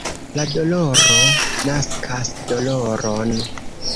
La doloro naskas doloron.